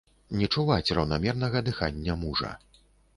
Не чуваць раўнамернага дыхання мужа.